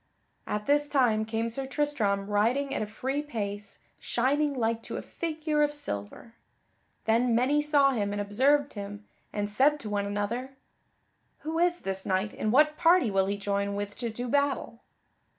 At this time came Sir Tristram, riding at a free pace, shining like to a figure of silver. Then many saw him and observed him and said to one another: "Who is this knight, and what party will he join with to do battle?"